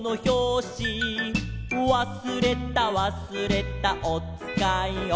「わすれたわすれたおつかいを」